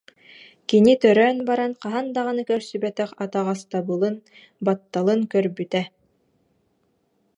Кини төрөөн баран хаһан даҕаны көрсүбэтэх атаҕастабылын, батталын көрбүтэ